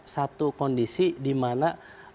satu kondisi di mana